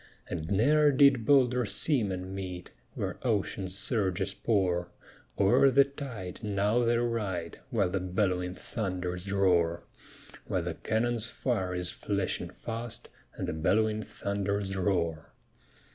And ne'er did bolder seamen meet, Where ocean's surges pour; O'er the tide now they ride, While the bell'wing thunders roar, While the cannon's fire is flashing fast, And the bell'wing thunders roar.